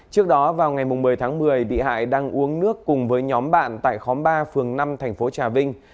trước đó vào ngày một mươi tháng một mươi bị hại đang uống nước cùng với nhóm bạn tại khóm ba phường năm thành phố trà vinh